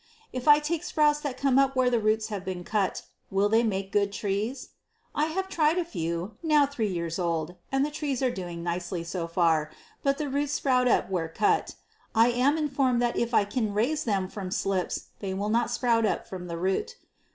If I take sprouts that come up where the roots have been cut, will they make good trees? I have tried a few, now three years old, and the trees are doing nicely so far, but the roots sprout up where cut. I am informed that if I can raise them from slips they will not sprout up from the root.